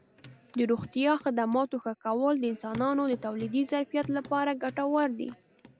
د روغتیا خدماتو ښه کول د انسانانو د تولیدي ظرفیت لپاره ګټور دي.